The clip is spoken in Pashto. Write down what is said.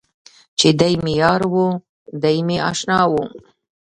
چې دی مې یار و، دی مې اشنا و.